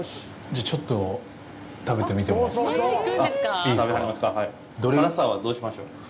じゃあ、ちょっと食べてみてもいいですか。